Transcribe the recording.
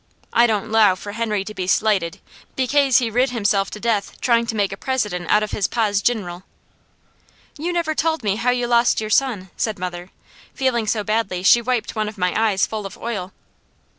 I don't 'low for Henry to be slighted bekase he rid himself to death trying to make a president out of his pa's gin'ral." "You never told me how you lost your son," said mother, feeling so badly she wiped one of my eyes full of oil.